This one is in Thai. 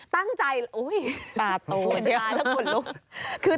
ตั้งใจโอ้ย